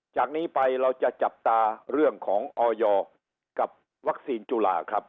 จากนี้ไปเราจะจับตาเรื่องของออยกับวัคซีนจุฬาครับ